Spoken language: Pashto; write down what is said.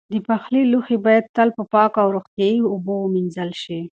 د پخلي لوښي باید تل په پاکو او روغتیایي اوبو ومینځل شي.